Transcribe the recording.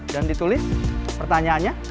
dan ditulis pertanyaannya